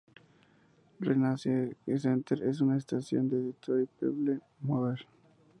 Renaissance Center es una estación del Detroit People Mover.